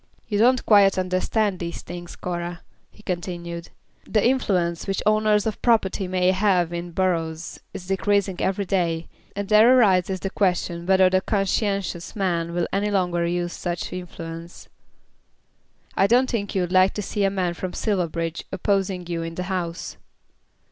"You don't quite understand these things, Cora," he continued. "The influence which owners of property may have in boroughs is decreasing every day, and there arises the question whether a conscientious man will any longer use such influence." "I don't think you'd like to see a man from Silverbridge opposing you in the House."